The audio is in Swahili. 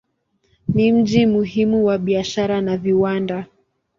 Ni mji muhimu wa biashara na viwanda.